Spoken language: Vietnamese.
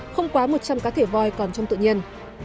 không quá một trăm linh cá thể voi còn trong tự nhiên